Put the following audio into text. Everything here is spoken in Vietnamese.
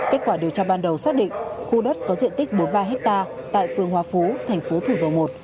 kết quả điều tra ban đầu xác định khu đất có diện tích bốn mươi ba hectare tại phương hòa phú thành phố thủ dầu một